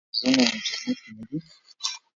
آیا دوی په تلویزیون او انټرنیټ کې نه دي؟